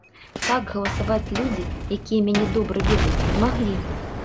Так галасаваць людзі, якія мяне добра ведаюць, не маглі.